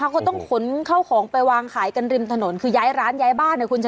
เขาต้องขนเข้าของไปวางขายกันริมถนนคือย้ายร้านย้ายบ้านนะคุณชนะ